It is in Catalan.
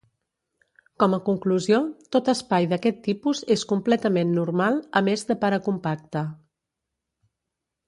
Com a conclusió, tot espai d'aquest tipus és completament normal, a més de paracompacte.